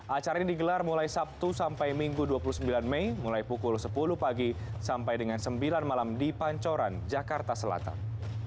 acara ini digelar mulai sabtu sampai minggu dua puluh sembilan mei mulai pukul sepuluh pagi sampai dengan sembilan malam di pancoran jakarta selatan